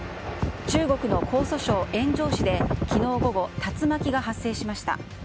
中国の江蘇省塩城市で昨日午後、竜巻が発生しました。